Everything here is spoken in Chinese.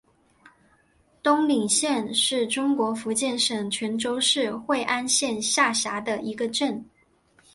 东岭镇是中国福建省泉州市惠安县下辖的一个镇。